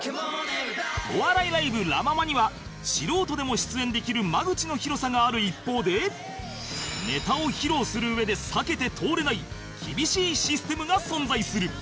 お笑いライブラ・ママには素人でも出演できる間口の広さがある一方でネタを披露するうえで避けて通れない厳しいシステムが存在する